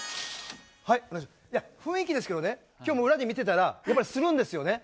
雰囲気ですけど今日も裏で見てたらやっぱりするんですよね。